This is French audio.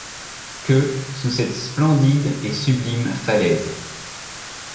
Que, sous cette splendide et sublime falaise